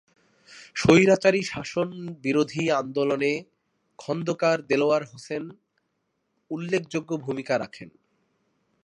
স্বৈরাচারী শাসন বিরোধী আন্দোলনে খোন্দকার দেলোয়ার হোসেন উল্লেখযোগ্য ভূমিকা রাখেন।